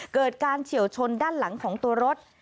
เกิดการเฉียวชนด้านหลังของตัวรถ